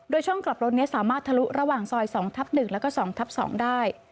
โดยช่องกลับรถนี้สามารถทะลุระหว่างซอย๒ทับ๑แล้วก็๒ทับ๒ได้